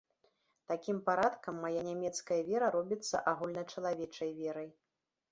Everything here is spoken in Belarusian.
Такім парадкам мая нямецкая вера робіцца агульначалавечай верай.